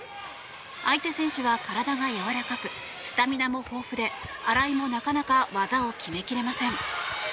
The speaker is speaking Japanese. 相手選手は体がやわらかくスタミナも豊富で新井もなかなか技を決めきれません。